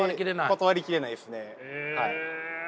断り切れないですね。